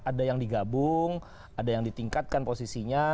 ada yang digabung ada yang ditingkatkan posisinya